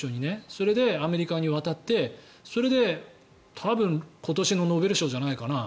それでアメリカに渡ってそれで多分、今年のノーベル賞じゃないかな。